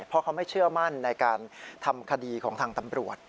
เพราะเขาไม่เชื่อมั่นในการทำคดีของทางตำรวจ